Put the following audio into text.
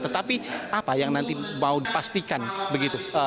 tetapi apa yang nanti mau dipastikan begitu